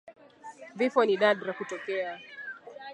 Vifo ni nadra kutokea